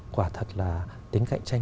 quả thật là tính cạnh tranh